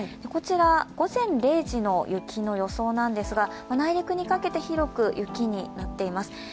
こちら、午前０時の雪の予想なんですが内陸にかけて広く雪になっています。